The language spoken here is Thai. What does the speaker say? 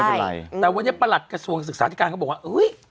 อะไรแต่วันนี้ประหลัดกระทรวงศึกษาธิการก็บอกว่าเฮ้ย